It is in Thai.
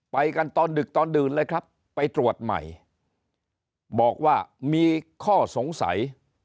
ไปกันตอนดึกตอนดื่นเลยครับไปตรวจใหม่บอกว่ามีข้อสงสัย